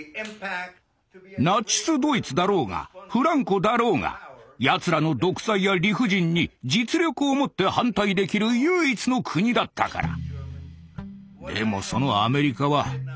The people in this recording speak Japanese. ナチスドイツだろうがフランコだろうがやつらの独裁や理不尽に実力をもって反対できる唯一の国だったから。